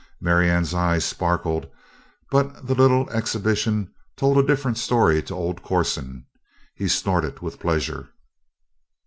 Marianne's eyes sparkled but the little exhibition told a different story to old Corson. He snorted with pleasure.